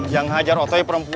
yang ngajar otoy perempuan